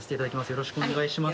よろしくお願いします。